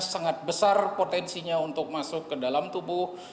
sangat besar potensinya untuk masuk ke dalam tubuh